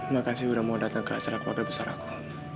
makasih sudah mau datang ke acara keluarga besar aku